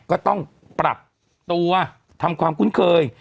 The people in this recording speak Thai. ก็ต้องปรับตัวทำความคุ้นเคย